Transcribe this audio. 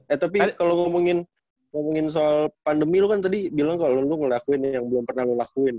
eh tapi kalau ngomongin soal pandemi lu kan tadi bilang kalau lon lo ngelakuin yang belum pernah lu lakuin